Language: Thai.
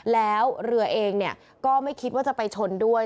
แล้วเรือเองก็ไม่คิดว่าจะไปชนด้วย